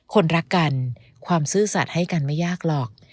คนรักกันความซื่อสัตว์ให้กันไม่ยากหรอก